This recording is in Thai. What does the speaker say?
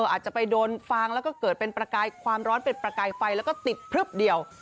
อาจจะไปโดนฟางแล้วก็เกิดเป็นประกายความร้อนเป็นประกายไฟแล้วก็ติดพลึบเดียว